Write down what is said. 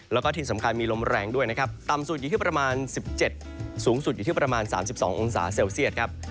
แล้วก็ที่สำคัญมีลมแรงด้วยนะครับต่ำสุดอยู่ที่ประมาณ๑๗สูงสุดอยู่ที่ประมาณ๓๒องศาเซลเซียตครับ